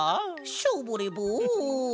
ショボレボン。